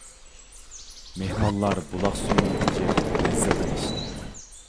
مېھمانلار بۇلاق سۈيىنى ئىچىپ مەززە قىلىشتى.